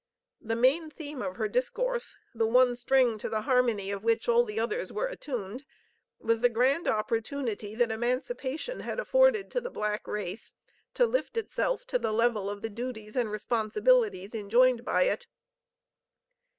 The main theme of her discourse, the one string to the harmony of which all the others were attuned, was the grand opportunity that emancipation had afforded to the black race to lift itself to the level of the duties and responsibilities enjoined by it.